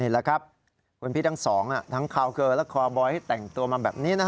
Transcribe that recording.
แหละครับคุณพี่ทั้งสองทั้งคาวเกอร์และคอบอยแต่งตัวมาแบบนี้